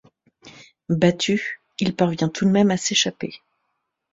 Battu, il parvient tout de même à s'échapper.